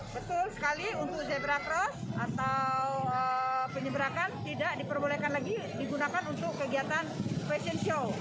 betul sekali untuk zebra cross atau penyeberakan tidak diperbolehkan lagi digunakan untuk kegiatan fashion show